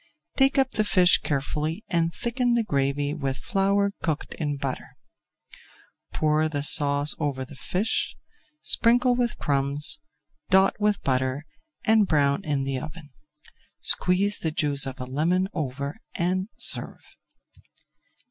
Take up the fish carefully and thicken the gravy with flour cooked in butter. Pour the sauce over the fish, sprinkle with crumbs, dot with butter, and brown in the oven. Squeeze the juice of a lemon over and serve.